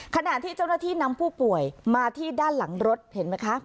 ขณะที่เจ้าหน้าที่นำผู้ป่วยมาที่ด้านหลังรถเห็นไหมคะ